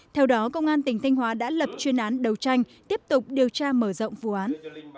theo đó công an tỉnh thanh hóa đã lập chuyên án đấu tranh tiếp tục điều tra mở rộng vụ án